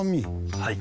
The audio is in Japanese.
はい。